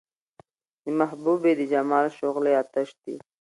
د محبوبې د جمال شغلې اۤتش دي